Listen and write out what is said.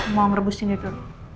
mau merebus ini dulu